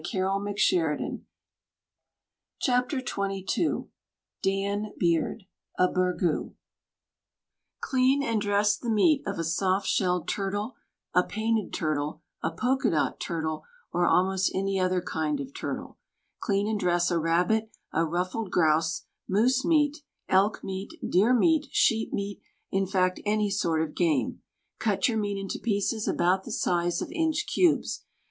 THE STAG COOK BOOK XXII Dan Beard A BURGOO Clean and dress the meat of a soft shelled turtle, a painted turtle, a poker dot turtle, or almost any other kind of turtle. Clean and dress a rabbit, a ruffled grouse, moose meat, elk meat, deer meat, sheep meat, in fact any sort of game. Cut your meat into pieces about the size of inch cubes.